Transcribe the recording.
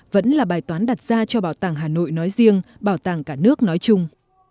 vẫn là bài toán đặt ra cho bảo tàng hà nội nói riêng bảo tàng cả nước nói chung